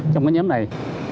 trong cái nhóm này